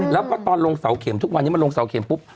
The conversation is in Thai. แล้วก็ตอนลงเสาเข็มทุกวันนี้มันลงเสาเข็มปุ๊บ